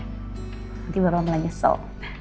nanti bapak mulai nyesel